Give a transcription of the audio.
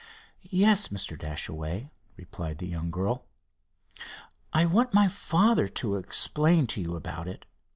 "Yes, Mr. Dashaway," replied the young girl. "I want my father to explain to you about it.